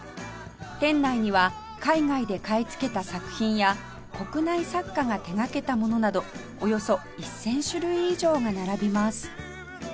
店内には海外で買いつけた作品や国内作家が手掛けたものなどおよそ１０００種類以上が並びます